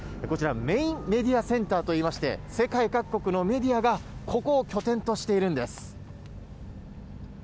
こちら、メインメディアセンターといいまして、世界各国のメディアが、ここを拠点としているんです。